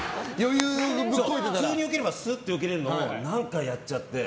普通によければすっていけるのを何かやっちゃって。